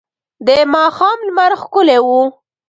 د ماښام لمر ښکلی و.